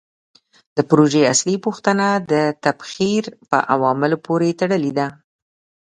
د پروژې اصلي پوښتنه د تبخیر په عواملو پورې تړلې ده.